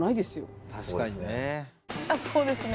「そうですね」